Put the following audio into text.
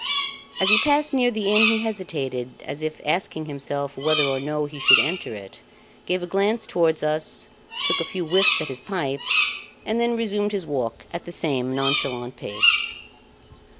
As he passed near the inn, he hesitated, as if asking himself whether or no he should enter it; gave a glance towards us, took a few whiffs at his pipe, and then resumed his walk at the same nonchalant pace.